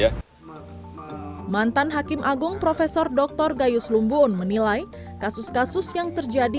yang ada di kpk ya mantan hakim agung profesor dr gayus lumbuwon menilai kasus kasus yang terjadi